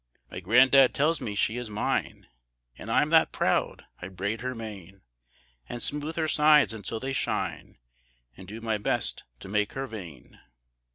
My gran'dad tells me she is mine, An' I'm that proud! I braid her mane, An' smooth her sides until they shine, An' do my best to make her vain.